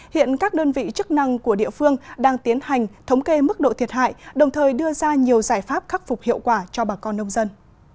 hiện các đơn vị chức năng của địa phương đang tiến hành thống kê mức độ thiệt hại đồng thời đưa ra nhiều giải pháp khắc phục hiệu quả cho bà con nông dân